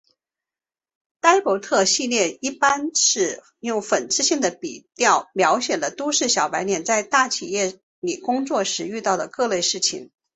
呆伯特系列一般是用讽刺性的笔调描写了都市小白领在大企业里工作时遇到的各类事情。